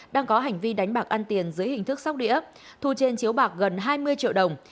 đang có hành vi đánh bạc ăn tiền dưới hình thức sóc đĩa thu trên chiếu bạc gần hai mươi triệu đồng